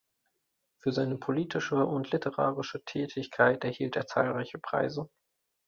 Für seine politische und literarische Tätigkeit erhielt er zahlreiche Preise.